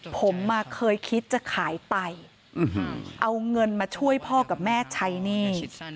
ผมเคยคิดจะขายไตเอาเงินมาช่วยพ่อกับแม่ใช้หนี้